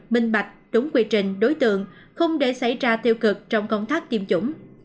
minh bạch đúng quy trình đối tượng không để xảy ra tiêu cực trong công tác tiêm chủng